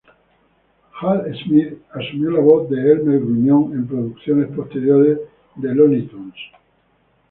Hal Smith asumió la voz de Elmer Gruñón en producciones posteriores de "Looney Tunes".